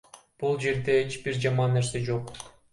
Бул жерде эч бир жаман нерсе жок.